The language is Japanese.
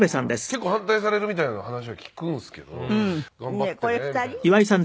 結構反対されるみたいな話は聞くんですけど頑張ってねみたいな。